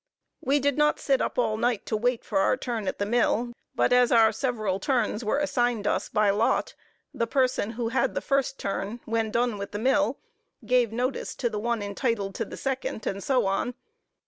We did not sit up all night to wait for our turn at the mill, but as our several turns were assigned us by lot, the person who had the first turn, when done with the mill, gave notice to the one entitled to the second, and so on.